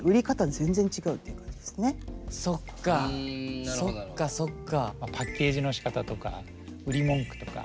そっかそっかそっか。